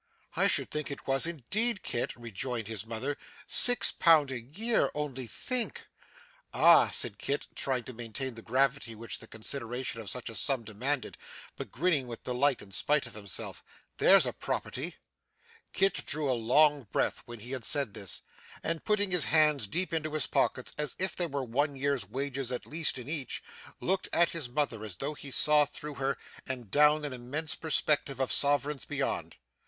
'I should think it was indeed, Kit,' rejoined his mother. 'Six pound a year! Only think!' 'Ah!' said Kit, trying to maintain the gravity which the consideration of such a sum demanded, but grinning with delight in spite of himself. 'There's a property!' Kit drew a long breath when he had said this, and putting his hands deep into his pockets as if there were one year's wages at least in each, looked at his mother, as though he saw through her, and down an immense perspective of sovereigns beyond.